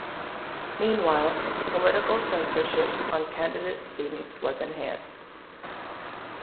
Meanwhile, political censorship on candidate students was enhanced.